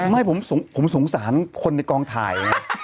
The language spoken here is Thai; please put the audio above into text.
ไม่ผมสงสารคนในกองถ่าย